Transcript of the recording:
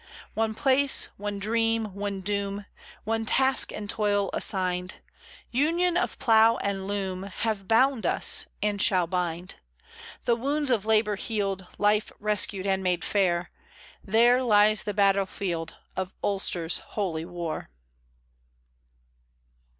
One place, one dream, one doom, One task and toil assigned, Union of plough and loom Have bound us and shall bind. The wounds of labour healed, Life rescued and made fair There lies the battlefield Of Ulster's holy war.